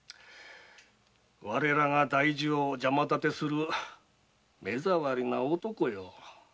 我らが大事を邪魔だてする目障りな男よ。